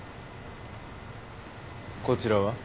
こちらは？